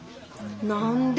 何で？